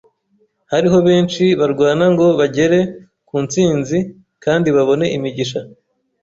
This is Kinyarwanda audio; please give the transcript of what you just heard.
Hariho benshi barwana ngo bagere ku nsinzi kandi babone imigisha